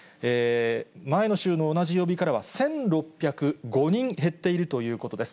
前の週の同じ曜日からは、１６０５人減っているということです。